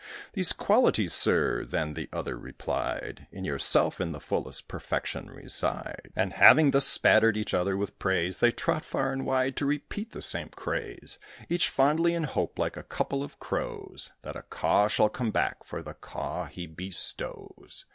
'These qualities, sir,' then the other replied, 'In yourself, in the fullest perfection, reside.' And, having thus spattered each other with praise, They trot far and wide to repeat the same craze; Each fondly in hope, like a couple of crows, That a caw shall come back for the caw he bestows.